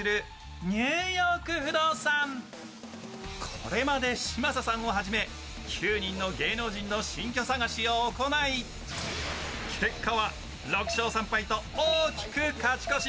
これまで嶋佐さんをはじめ９人の芸能人の新居探しを行い結果は６勝３敗と大きく勝ち越し。